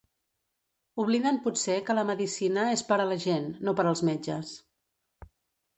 Obliden potser que la medicina és per a la gent, no per als metges.